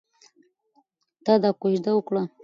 ته دا کوژده وکړه.